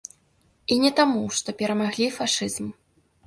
І не таму, што перамаглі фашызм.